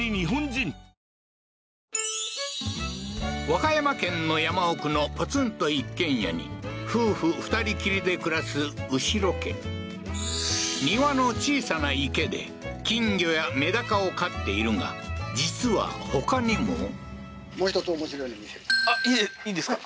和歌山県の山奥のポツンと一軒家に夫婦２人きりで暮らす後呂家庭の小さな池で金魚やメダカを飼っているが実はほかにもいいんですか？